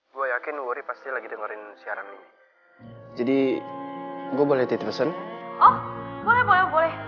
gue yakin worry pasti lagi dengerin siaran ini jadi gue boleh tite pesan oh boleh boleh boleh